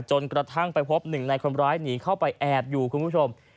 จนกระทั่งไปพบหนึ่งในคนร้ายหนีเข้าไปแอบอยู่คุณผู้ชม